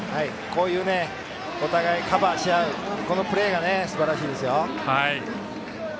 こういうお互いカバーし合うプレーがすばらしいですよ。